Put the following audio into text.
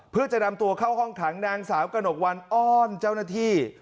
เพื่อจะนำตัวเข้าห้องขังนางสาวกระหนกวันอ้อนเจ้าหน้าที่